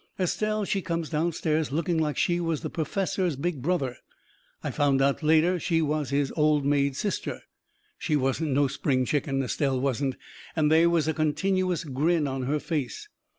Estelle, she come down stairs looking like she was the perfessor's big brother. I found out later she was his old maid sister. She wasn't no spring chicken, Estelle wasn't, and they was a continuous grin on her face.